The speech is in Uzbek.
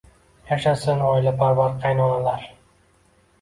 Yashasin, oilaparvar qaynonalar